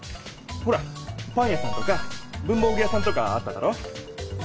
ほらパン屋さんとか文房具屋さんとかあっただろ？